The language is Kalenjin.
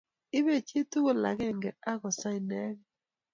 Ibei chitugul angenyi akosaa inegei